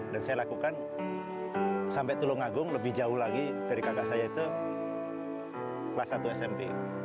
dan saya lakukan sampai tulung agung lebih jauh lagi dari kakak saya itu kelas satu smp